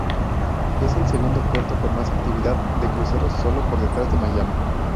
Es el segundo puerto con más actividad de cruceros, solo por detrás de Miami.